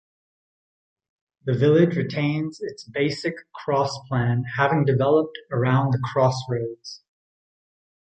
The village retains its basic cross plan, having developed around the cross-roads.